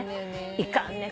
いかんね。